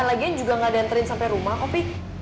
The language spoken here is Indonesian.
lagian juga gak diantarin sampai rumah kok fi